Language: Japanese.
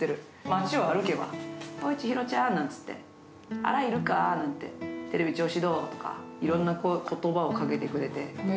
街を歩けば、おいちひろちゃん、なんて、あらいるか？とか、調子はどう？とか、いろんな言葉をかけてくれて。